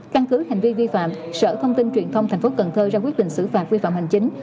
căn cứ hành vi vi phạm sở thông tin truyền thông tp cn ra quyết định xử phạt vi phạm hành chính